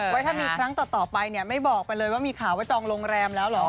ว่าถ้ามีครั้งต่อไปเนี่ยไม่บอกไปเลยว่ามีข่าวว่าจองโรงแรมแล้วเหรอ